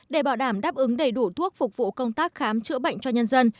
để bảo đảm đáp ứng đầy đủ thuốc phục vụ công tác khám chữa bệnh cho nhân dân